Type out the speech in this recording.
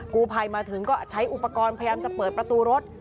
กูภัยมาถึงก็ใช้อุปกรณ์พยายามจะเปิดประตูรถ